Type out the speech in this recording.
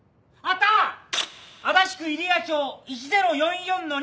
足立区入谷町１０４４の２。